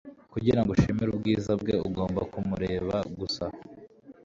Kugira ngo ushimire ubwiza bwe, ugomba kumureba gusa.